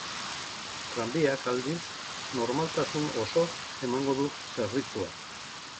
Tranbiak, aldiz, normaltasun osoz emango du zerbitzua.